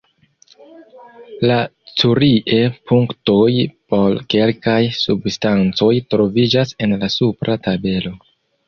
La Curie-punktoj por kelkaj substancoj troviĝas en la supra tabelo.